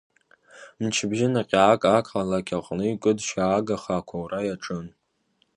Мчыбжьы наҟьак ақалақь аҟны игәкыдшьаагаха ақәаура иаҿын.